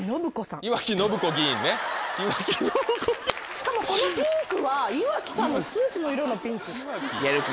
しかもこのピンクは井脇さんのスーツの色のピンク。